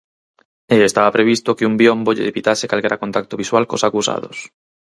E estaba previsto que un biombo lle evitase calquera contacto visual cos acusados.